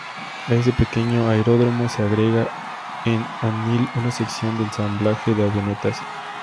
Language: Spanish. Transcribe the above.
A ese pequeño aeródromo se agrega en Onil una sección de ensamblaje de avionetas.